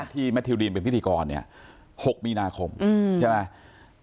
ที่แมทธิวดีนเป็นพิธีกรเนี่ย๖มีนาคมใช่ไหม